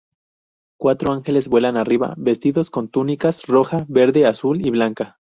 Cuatro ángeles vuelan arriba, vestidos con túnicas roja, verde, azul y blanca.